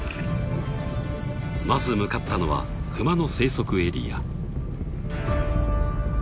［まず向かったのはクマの生息エリア］